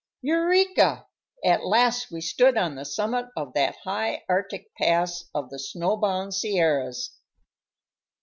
Eureka! At last we stood on the summit of that high Arctic pass of the snow bound Sierras!